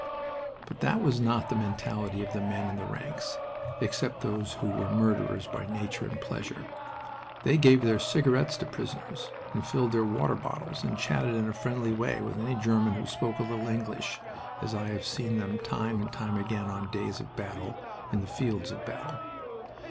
But that was not the mentality of the men in the ranks, except those who were murderers by nature and pleasure. They gave their cigarettes to prisoners and filled their water bottles and chatted in a friendly way with any German who spoke a little English, as I have seen them time and time again on days of battle, in the fields of battle.